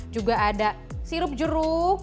juga ada sirup jeruk